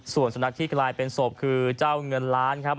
ส่วนสุนัขที่กลายเป็นศพคือเจ้าเงินล้านครับ